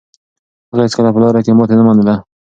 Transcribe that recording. هغه هيڅکله په لاره کې ماتې نه منله.